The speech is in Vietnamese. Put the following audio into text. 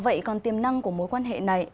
vậy còn tiềm năng của mối quan hệ này